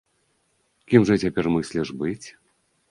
Кім жа цяпер мысліш быць?